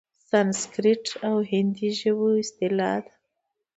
سنسکریت او هندي ژبو اصطلاح ده؛